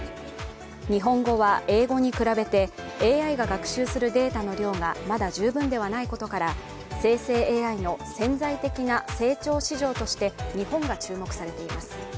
日本語は英語に比べてＡＩが学習するデータの量がまだ十分ではないことから生成ＡＩの潜在的な成長市場として日本が注目されています。